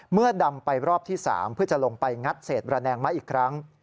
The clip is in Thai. ดำไปรอบที่๓เพื่อจะลงไปงัดเศษระแนงไม้อีกครั้ง